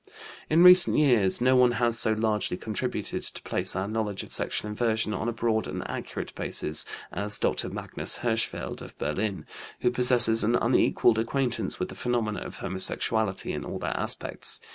In recent years no one has so largely contributed to place our knowledge of sexual inversion on a broad and accurate basis as Dr. Magnus Hirschfeld of Berlin, who possesses an unequalled acquaintance with the phenomena of homosexuality in all their aspects.